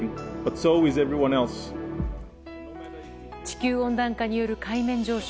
地球温暖化による海面上昇。